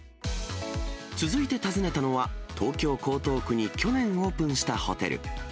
続いて訪ねたのは、東京・江東区に去年オープンしたホテル。